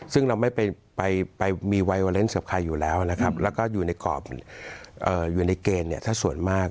ซึ่งเราไม่ไปมีไวเวอร์เรนซ์กับใครอยู่แล้วแล้วก็อยู่ในกรอบอยู่ในเกณฑ์สักส่วนมาก